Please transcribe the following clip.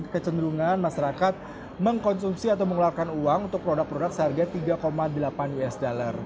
kecenderungan masyarakat mengkonsumsi atau mengeluarkan uang untuk produk produk seharga tiga delapan usd